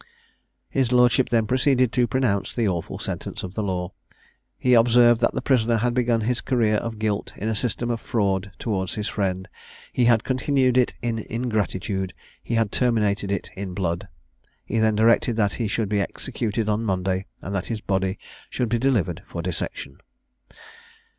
His lordship then proceeded to pronounce the awful sentence of the law. He observed, that the prisoner had begun his career of guilt in a system of fraud towards his friend; he had continued it in ingratitude, and had terminated it in blood. He then directed that he should be executed on Monday, and that his body should be delivered for dissection.